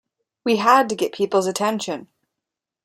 We had to get peoples' attention.